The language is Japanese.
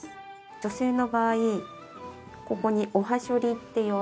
女性の場合ここに「おはしょり」っていわれている